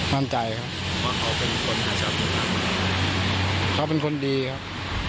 เพราะว่าเค้าเป็นคนดีครับเขาเป็นคนดีครับ